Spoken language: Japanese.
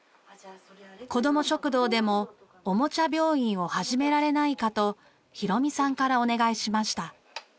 こども食堂でもおもちゃ病院を始められないかと浩美さんからお願いしました。